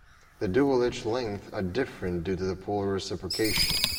The dual edge lengths are different due to the polar reciprocation.